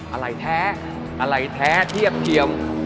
อะไหล่แท้อะไหล่แท้เทียบเทียม